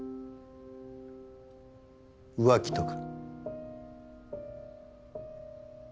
浮気とか？